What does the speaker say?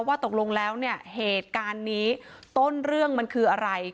ว่าตกลงแล้วเนี่ยเหตุการณ์นี้ต้นเรื่องมันคืออะไร